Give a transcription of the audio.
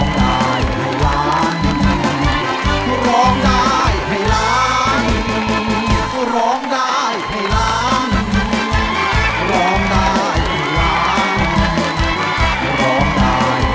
สวัสดีครับ